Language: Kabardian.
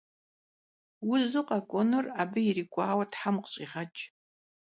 Vuzu khek'uenur abı yirik'uaue them khış'iğeç'!